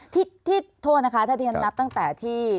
โทษนะคะถ้าที่ฉันนับตั้งแต่ที่